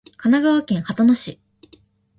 神奈川県秦野市